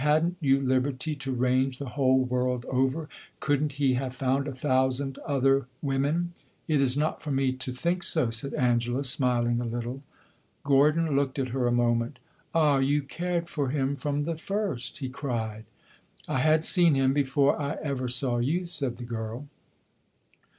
"Had n't you liberty to range the whole world over? Could n't he have found a thousand other women?" "It is not for me to think so," said Angela, smiling a little. Gordon looked at her a moment. "Ah, you cared for him from the first!" he cried. "I had seen him before I ever saw you," said the girl.